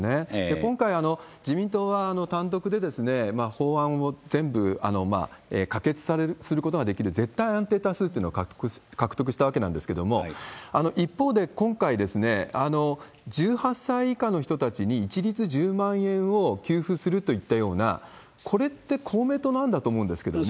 今回、自民党は単独で法案を全部可決することができる、絶対安定多数っていうのを獲得したわけなんですけれども、一方で今回、１８歳以下の人たちに一律１０万円を給付するといったような、これって公明党の案だと思うんですけれども。